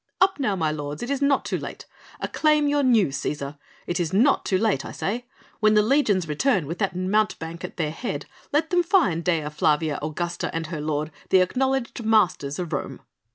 Up now, my lords! It is not too late! Acclaim your new Cæsar; it is not too late, I say. When the legions return with that mountebank at their head let them find Dea Flavia Augusta and her lord the acknowledged masters of Rome."